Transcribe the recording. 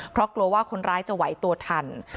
เพราะกลัวว่าคนร้ายจะไหวตัวทัน